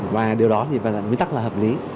và điều đó thì với tắc là hợp lý